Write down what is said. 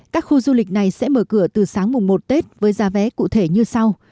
các khu du lịch này sẽ mở cửa từ sáng mùng một tết với giá vé cụ thể như sau